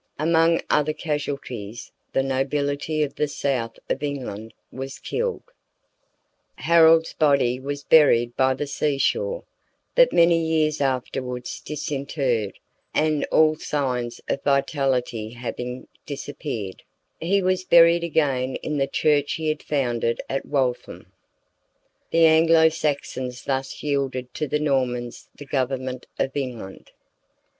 Among other casualties, the nobility of the South of England was killed. Harold's body was buried by the sea shore, but many years afterwards disinterred, and, all signs of vitality having disappeared, he was buried again in the church he had founded at Waltham. The Anglo Saxons thus yielded to the Normans the government of England.